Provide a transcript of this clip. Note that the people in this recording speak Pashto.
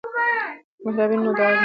که مهرباني وي نو ډار نه وي.